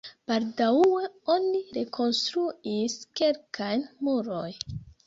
Baldaŭe oni rekonstruis kelkajn murojn.